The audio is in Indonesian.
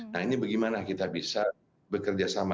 nah ini bagaimana kita bisa bekerja sama